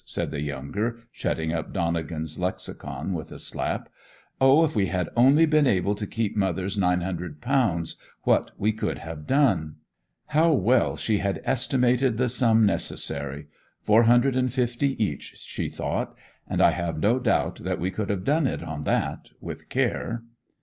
said the younger, shutting up Donnegan's Lexicon with a slap. 'O if we had only been able to keep mother's nine hundred pounds, what we could have done!' 'How well she had estimated the sum necessary! Four hundred and fifty each, she thought. And I have no doubt that we could have done it on that, with care.